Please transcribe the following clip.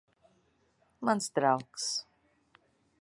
Mans draugs.